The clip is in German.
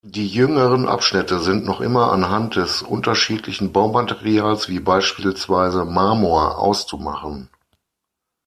Die jüngeren Abschnitte sind noch immer anhand des unterschiedlichen Baumaterials, wie beispielsweise Marmor, auszumachen.